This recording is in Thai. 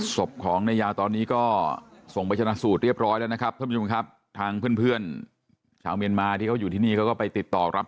สบของนายาวตอนนี้ก็ส่งไปจนสูตรเรียบร้อยแล้วนะครับ